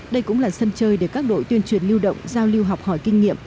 đây cũng là sân chơi để các đội tuyên truyền lưu động giao lưu học hỏi kinh nghiệm